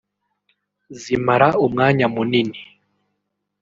zimara umwanya munini